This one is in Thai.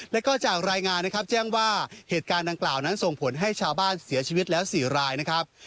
แล้วก็จากรายงานนะครับแจ้งว่าเหตุการณ์ดังกล่าวนั้นส่งผลให้ชาวบ้านเสียชีวิตแล้ว๔รายนะครับ